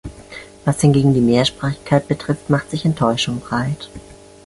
Was hingegen die Mehrsprachigkeit betrifft, macht sich Enttäuschung breit.